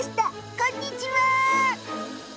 こんにちは！